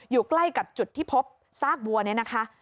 อยู่ใกล้กับจุดที่พบซากวัวเนี่ยนะคะ